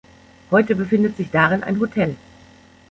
Heute befindet sich darin ein Hotel.